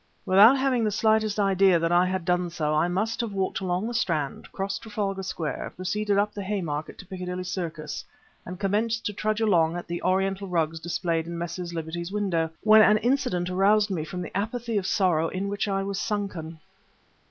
Without having the slightest idea that I had done so, I must have walked along the Strand, crossed Trafalgar Square, proceeded up the Haymarket to Piccadilly Circus, and commenced to trudge along at the Oriental rugs displayed in Messrs. Liberty's window, when an incident aroused me from the apathy of sorrow in which I was sunken.